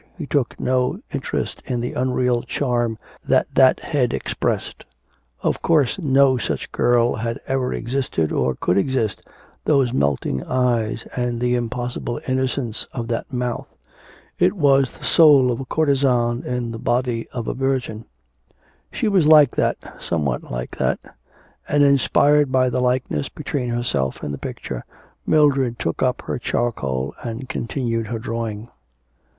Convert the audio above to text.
He took no interest in the unreal charm that that head expressed. Of course, no such girl had ever existed or could exist, those melting eyes and the impossible innocence of that mouth! It was the soul of a courtesan in the body of a virgin. She was like that, somewhat like that; and, inspired by the likeness between herself and the picture, Mildred took up her charcoal and continued her drawing.